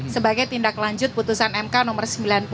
sebagai tindak lanjut putusan mk nomor sembilan puluh